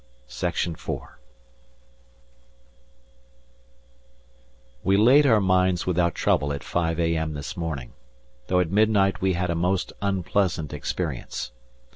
We laid our mines without trouble at 5 a.m. this morning, though at midnight we had a most unpleasant experience.